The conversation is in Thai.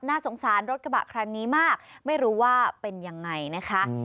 น่าสงสารรถกระบะคันนี้มากไม่รู้ว่าเป็นยังไงนะคะ